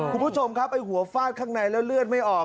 คุณผู้ชมครับไอ้หัวฟาดข้างในแล้วเลือดไม่ออก